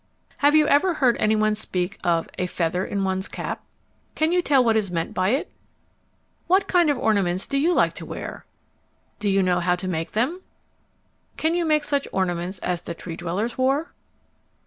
Have you ever heard any one speak of "a feather in one's cap"? Can you tell what is meant by it? What kind of ornaments do you like to wear? Do you know how to make them? Can you make such ornaments as the Tree dwellers wore?